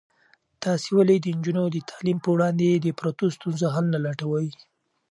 تاسې ولې د نجونو د تعلیم په وړاندې د پرتو ستونزو حل نه لټوئ؟